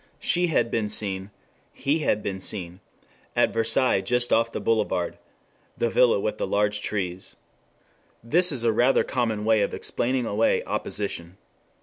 She had been seen.... He had been seen.... At Versailles just off the boulevard. ... The villa with the large trees. This is a rather common way of explaining away opposition.